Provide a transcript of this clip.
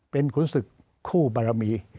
เป็นขุนศึกคู่บารมี